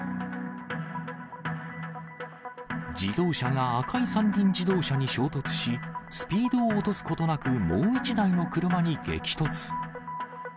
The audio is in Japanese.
自動車が赤い三輪自動車に衝突し、スピードを落とすことなく、もう１台の車に激突。